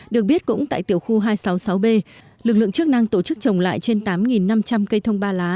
được biết cũng tại tiểu khu hai trăm sáu mươi sáu b lực lượng chức năng tổ chức trồng lại trên tám năm trăm linh cây thông ba lá